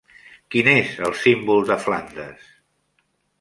Quin és el símbol de Flandes?